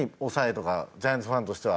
ジャイアンツファンとしては。